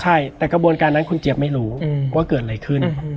ใช่แต่กระบวนการนั้นคุณเจี๊ยบไม่รู้ว่าเกิดอะไรขึ้น